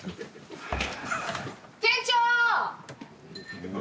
店長！